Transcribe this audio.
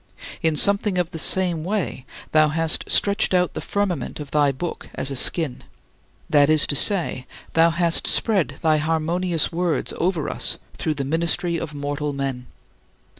In something of the same way, thou hast stretched out the firmament of thy Book as a skin that is to say, thou hast spread thy harmonious words over us through the ministry of mortal men.